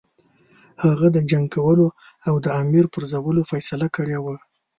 هغه د جنګ کولو او د امیر پرزولو فیصله کړې وه.